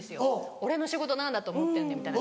「俺の仕事何だと思ってんだよ」みたいな。